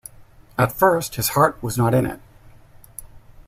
At first, his heart was not in it.